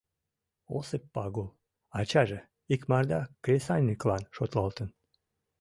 Осып Пагул, ачаже, икмарда кресаньыклан шотлалтын.